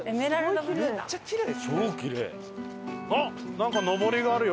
なんかのぼりがあるよ